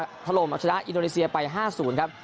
ถล่มเอาชนะอินโดนีเซียไป๕๐ครับ